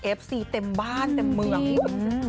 เอฟซีเต็มบ้านเต็มเมือง